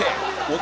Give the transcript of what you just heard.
男